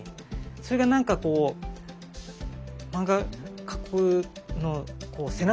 それがなんかこう漫画描くの背中